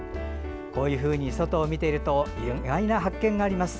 こういうふうに外を見ていると意外な発見があります。